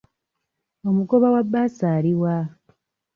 Omugoba wa bbaasi ali wa?